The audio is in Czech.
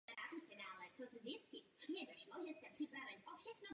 Toto pohoří sahá až do Francie.